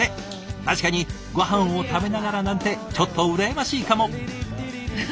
確かにごはんを食べながらなんてちょっと羨ましいかも。